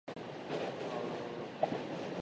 水の呼吸弐ノ型水車（にのかたみずぐるま）